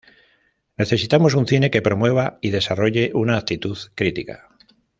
Necesitamos un cine que promueva y desarrolle una actitud crítica.